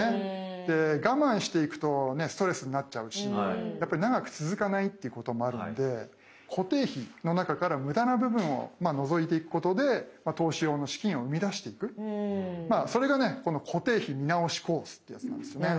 で我慢していくとストレスになっちゃうし長く続かないということもあるので固定費の中からムダな部分を除いていくことで投資用の資金をうみだしていくそれがねこの「固定費見直しコース」ってやつなんですよね。